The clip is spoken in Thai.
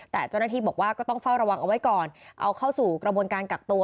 แต่เจ้าหน้าที่บอกว่าก็ต้องเฝ้าระวังเอาไว้ก่อนเอาเข้าสู่กระบวนการกักตัว